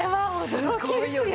すごいよね。